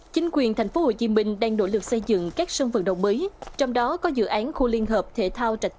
chính quyền tp hcm đang nỗ lực xây dựng các sân vận động mới trong đó có dự án khu liên hợp thể thao trạch